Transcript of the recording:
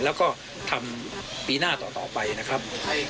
แล้วก็ทำปีหน้าต่อไปนะครับ